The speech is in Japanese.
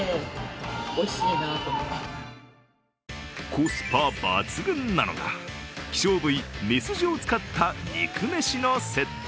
コスパ抜群なのが希少部位、みすじを使った肉飯のセット。